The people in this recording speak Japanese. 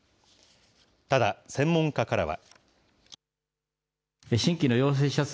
ただ、専門家からは。